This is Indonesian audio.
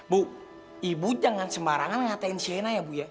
bu ibu jangan sembarangan ngatain shena ya bu ya